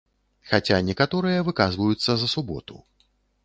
Хаця некаторыя выказваюцца за суботу.